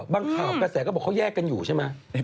ข่าวกระแสก็บอกเขาแยกกันอยู่ใช่ไหม